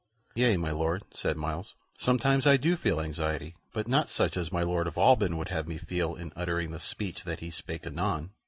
"Yea, my Lord," said Myles; "sometimes I do feel anxiety, but not such as my Lord of Alban would have me feel in uttering the speech that he spake anon.